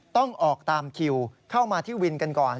ต้องออกตามคิวเข้ามาที่วินกันก่อน